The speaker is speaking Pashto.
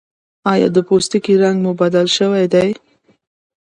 ایا د پوستکي رنګ مو بدل شوی دی؟